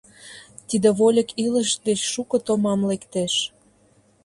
Тиде вольык илыш деч шуко томам лектеш!